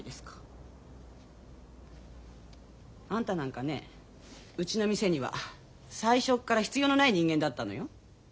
あんたなんかねうちの店には最初っから必要のない人間だったのよ。